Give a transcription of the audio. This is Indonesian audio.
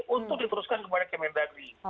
untuk diteruskan kepada kementerian negeri